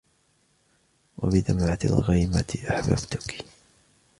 وبدمعةِ الغيمةِ أحببتك